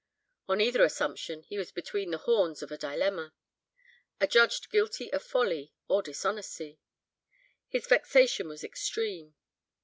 On either assumption, he was between the horns of a dilemma. Adjudged guilty of folly, or dishonesty. His vexation was extreme.